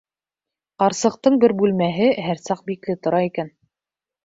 Ҡарсыҡтың бер бүлмәһе һәр саҡ бикле тора икән.